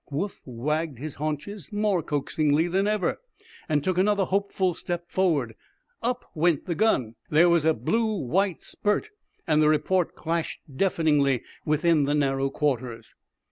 Woof wagged his haunches more coaxingly than ever, and took another hopeful step forward. Up went the gun. There was a blue white spurt, and the report clashed deafeningly within the narrow quarters.